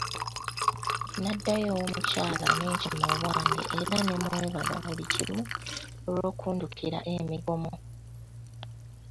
Naddayo ew'omukyala ne nkima obwange era ne mmwebaza buli kimu olw'okundukira emigomo.